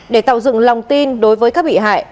để tạo dựng lòng tin đối với các bị hại